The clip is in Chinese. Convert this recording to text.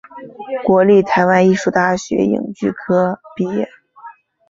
国立台湾艺术大学影剧科毕业。